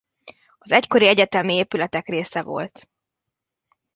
Az egykori egyetemi épületek része volt.